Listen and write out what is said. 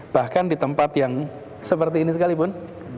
bahkan di tempat yang seperti ini sekalipun